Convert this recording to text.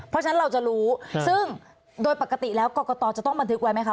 เพราะฉะนั้นเราจะรู้ซึ่งโดยปกติแล้วกรกตจะต้องบันทึกไว้ไหมคะ